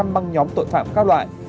một năm trăm linh băng nhóm tội phạm các loại